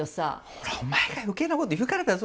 ほらお前が余計なこと言うからだぞ。